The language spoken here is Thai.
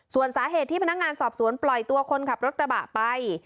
ส่วนสาเหตุที่พนักงานสอบสวนปล่อยตัวคนขับรถกระบะไป